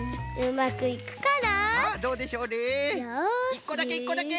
１こだけ１こだけ！